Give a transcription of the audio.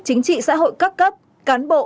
chính trị xã hội các cấp cán bộ